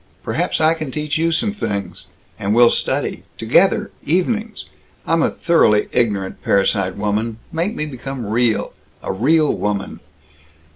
Perhaps I can teach you some things. And we'll study together evenings! I'm a thoroughly ignorant parasite woman. Make me become real! A real woman!"